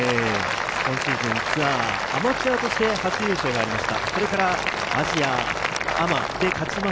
今シーズンツアー、アマチュアとして初優勝がありました。